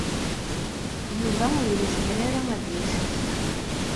Yuba ur yezmir ara ad d-yass ass-a.